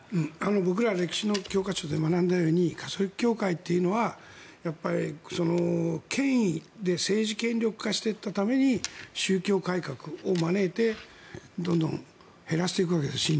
僕ら歴史の教科書で学んだようにカトリック教会というのは権威で政治権力化していったために宗教改革を招いて信者をどんどん減らしていくわけです。